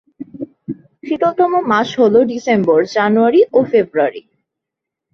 শীতলতম মাস হল ডিসেম্বর, জানুয়ারি ও ফেব্রুয়ারি।